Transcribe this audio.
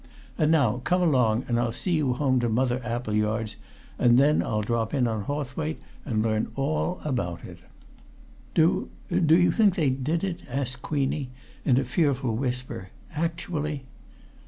And now, come along and I'll see you home to Mother Appleyard's, and then I'll drop in on Hawthwaite and learn all about it." "Do do you think they did it?" asked Queenie in a fearful whisper. "Actually?"